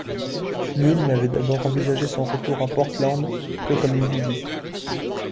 Neal n'avait d'abord envisagé son retour à Portland que comme une visite.